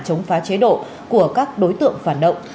chống phá chế độ của các đối tượng phản động